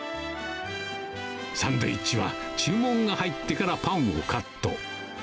サンドイッチは注文が入ってからパンをカット。